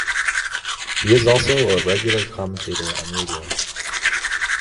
He is also a regular commentator on radio.